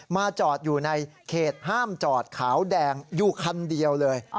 จอดอยู่ในเขตห้ามจอดขาวแดงอยู่คันเดียวเลย